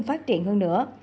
phát triển hơn nữa